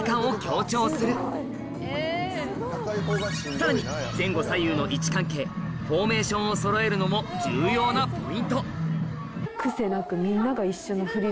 さらに前後左右の位置関係フォーメーションを揃えるのも重要なポイント